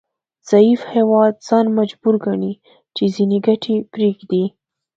ضعیف هیواد ځان مجبور ګڼي چې ځینې ګټې پریږدي